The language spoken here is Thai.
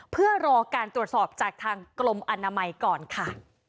เพื่อรอการตรวจสอบจากทางกรมอนามัยก่อนค่ะ